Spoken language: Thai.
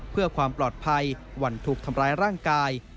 เพื่อความปลอดภัยวันถูกทำร้ายร่างกาย